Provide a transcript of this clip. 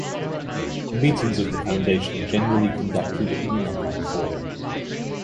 Meetings of the Foundation are generally conducted in an online forum.